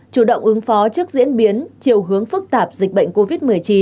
chủ động ứng phó trước diễn biến chiều hướng phức tạp dịch bệnh covid một mươi chín